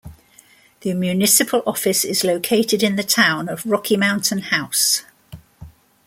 The municipal office is located in the Town of Rocky Mountain House.